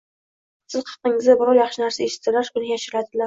Siz haqingizda biror yaxshi narsa eshitsalar, uni yashiradilar.